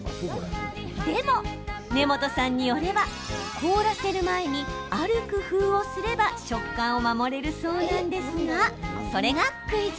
でも、根本さんによれば凍らせる前にある工夫をすれば食感を守れるそうなんですがそれがクイズ。